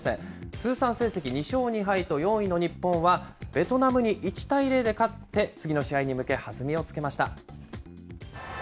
通算成績２勝２敗と４位の日本は、ベトナムに１対０で勝って、次の試合に向け弾みをつけました。